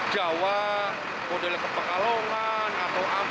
curusan jawa model kepekalungan